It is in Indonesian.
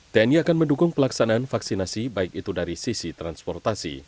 tni akan mendukung pelaksanaan vaksinasi baik itu dari sisi transportasi